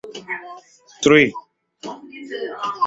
Mezclado por: David Scott.